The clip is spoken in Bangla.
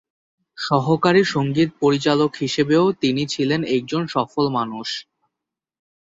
সহকারী সংগীত পরিচালক হিসেবেও তিনি ছিলেন একজন সফল মানুষ।